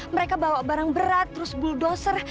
mereka bawa barang berat terus bulldoser